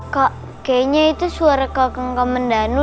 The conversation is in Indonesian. kak kayaknya itu suara kakang kakang mendanu